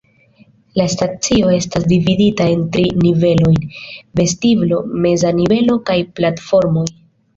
La stacio estas dividita en tri nivelojn: vestiblo, meza nivelo kaj platformoj.